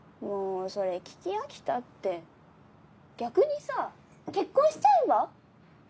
もうそれ聞き飽きたって逆にさ結婚しちゃえば？